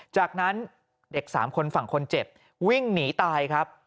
จากนั้นเด็ก๓คนฝั่งคนเจ็บวิ่งหนีตายครับ